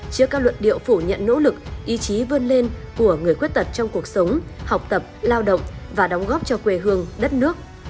trước các luận điệu phủ nhận nỗ lực ý chí vươn lên của người khuyết tật trong cuộc sống học tập lao động và đóng góp cho quê hương đất nước